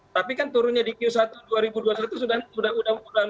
tapi kan turunnya di q satu dua ribu dua puluh satu sudah undang undang